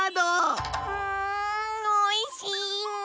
うんおいしい！